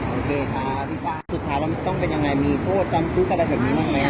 โอเคคะพี่ป้าสุขาจะไม่ต้องเป็นอย่างไรมีโฆษณ์จำคุกกระดาษแบบนี้บ้างมั้ย